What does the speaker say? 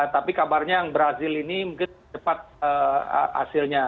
tapi kabarnya yang brazil ini mungkin cepat hasilnya